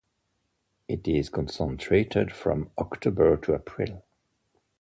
It is concentrated from October to April.